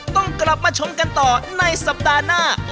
ต้องกลับมาชมกันต่อในสัปดาห์หน้า